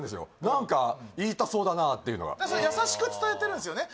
何か言いたそうだなっていうのが優しく伝えてるんですよね